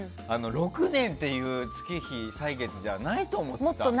６年っていう月日、歳月じゃないと思ってた。